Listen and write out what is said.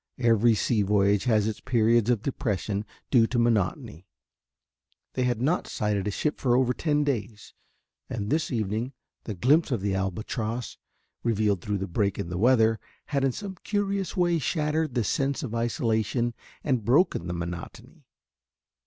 Every sea voyage has its periods of depression due to monotony; they had not sighted a ship for over ten days, and this evening the glimpse of the Albatross revealed through the break in the weather had in some curious way shattered the sense of isolation and broken the monotony.